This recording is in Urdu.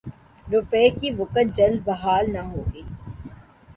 روپے کی وقعت جلد بحال نہ ہوگی۔